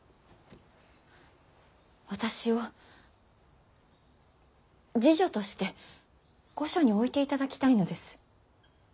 私を侍女として御所に置いていただきたいのです。